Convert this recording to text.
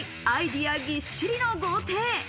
アイデアぎっしりの豪邸。